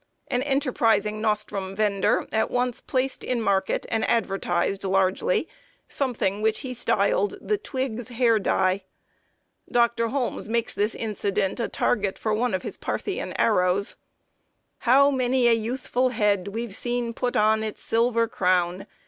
An enterprising nostrum vender at once placed in market and advertised largely something which he styled the "Twiggs Hair Dye." Dr. Holmes makes the incident a target for one of his Parthian arrows: "How many a youthful head we've seen put on its silver crown!